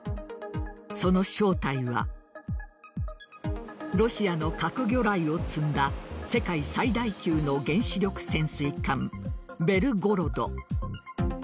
その正体はロシアの核魚雷を積んだ世界最大級の原子力潜水艦「ベルゴロド」